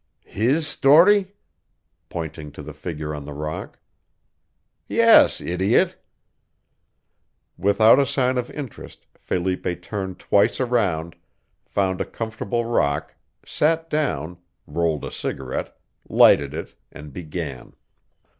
"His story?" pointing to the figure on the rock. "Yes, idiot!" Without a sign of interest, Felipe turned twice around, found a comfortable rock, sat down, rolled a cigarette, lighted it, and began.